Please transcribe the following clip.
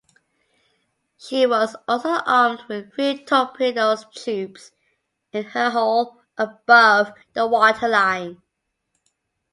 She was also armed with three torpedo tubes in her hull above the waterline.